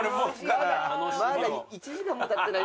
まだ１時間もたってないですよ。